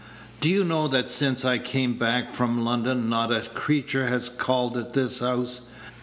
Do you know that since I came back from London not a creature has called at this house?